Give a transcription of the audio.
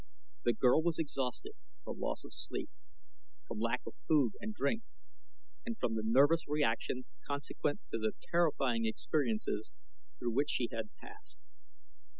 The girl was exhausted from loss of sleep, from lack of food and drink, and from the nervous reaction consequent to the terrifying experiences through which she had passed.